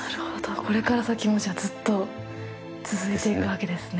これから先もじゃあずっと続いていくわけですね。